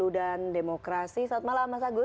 saat malam mas agus